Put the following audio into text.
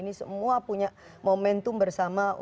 ini semua punya momentum bersama